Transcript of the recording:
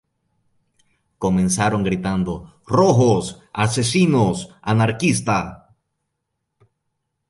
Comenzaron gritando "¡Rojos!, ¡Asesinos!, ¡Anarquista!